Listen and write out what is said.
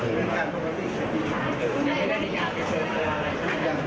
ยังไม่มีฝ่ายกล้องในมือครับแต่ว่าก็บอกว่ายังไม่มีฝ่ายกล้อง